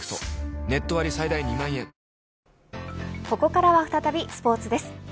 ここからは再びスポーツです。